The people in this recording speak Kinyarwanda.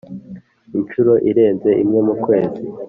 Inshuro irenze imwe mu kwezi